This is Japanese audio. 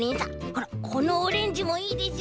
ほらこのオレンジもいいでしょ？